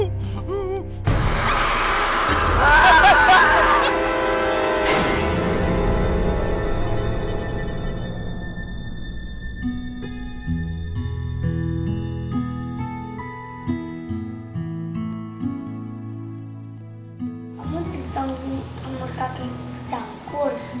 pertama kali aku ditanggung aku berkaki cakur